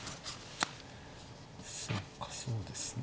そっかそうですね。